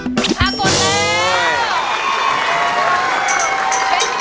ถ้าตอบผิดไม่เป็นไรนั่งอยู่ต่อนะครับ